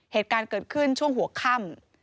เหตุการณ์เกิดขึ้นช่วงหัวค่ำ